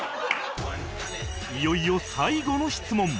いよいよ最後の質問